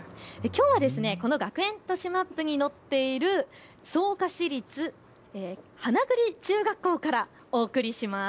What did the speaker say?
この学園都市マップに載っている草加市立花栗中学校からお送りします。